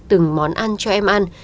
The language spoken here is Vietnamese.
từng món ăn cho em ăn